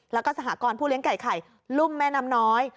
แล้วก็สหกรณ์ผู้เลี้ยงไก่ไข่ลุ่มแม่น้ำน้อย